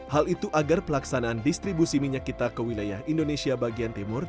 hal itu agar pelaksanaan distribusi minyak kita ke wilayah indonesia bagian timur